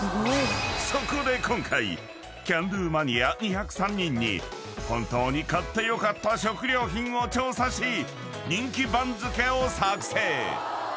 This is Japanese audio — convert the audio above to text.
［そこで今回キャンドゥマニア２０３人に本当に買ってよかった食料品を調査し人気番付を作成］